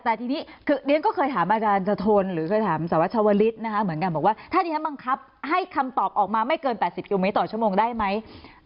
แต่ทีนี้เรียนก็เคยถามอาจารย์สะทนหรือเคยถามสวัชวลิศนะคะเหมือนกันบอกว่าถ้าดิฉันบังคับให้คำตอบออกมาไม่เกิน๘๐กิโลเมตรต่อชั่วโมงได้ไหม